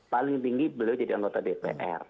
paling tinggi beliau jadi anggota dpr